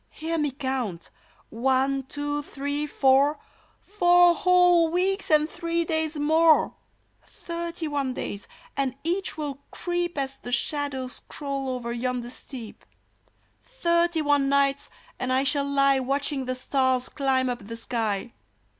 " Hear me count — one, two, three, four — Four whole weeks, and three days more ; Thirty one days, and each will creep As the shadows crawl over yonder steep. Thirty one nights, and I shall lie Watching the stars climb up the sky